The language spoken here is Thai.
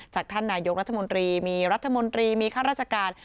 ท่านนายกรัฐมนตรีมีรัฐมนตรีมีข้าราชการ